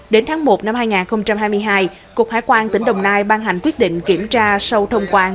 đến tháng một năm hai nghìn hai mươi hai cục hải quan tỉnh đồng nai ban hành quyết định kiểm tra sâu thông quan